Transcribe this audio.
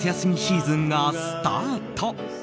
夏休みシーズンがスタート。